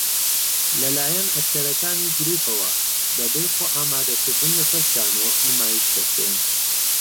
لە لایەن ئەکتەرەکانی گرووپەوە بەبێ خۆئامادەکردن لەسەر شانۆ نمایش دەکرێن